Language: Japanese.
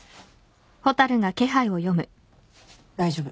・大丈夫。